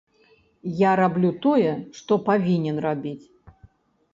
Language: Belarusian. Я раблю тое, што павінен рабіць.